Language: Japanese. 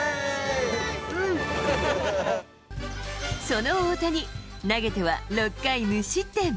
その大谷、投げては６回無失点。